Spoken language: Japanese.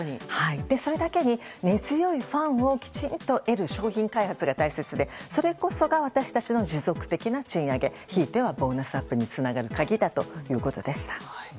それだけに根強いファンをきちんと得る商品開発が大切で、それこそが私たちの持続的な賃上げ引いてはボーナスアップにつながる鍵だということでした。